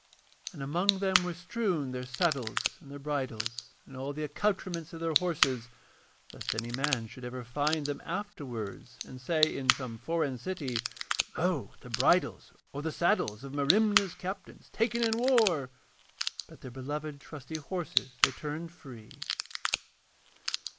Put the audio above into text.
And among them were strewn their saddles and their bridles, and all the accoutrements of their horses, lest any man should ever find them afterwards and say in some foreign city: 'Lo! the bridles or the saddles of Merimna's captains, taken in war,' but their beloved trusty horses they turned free.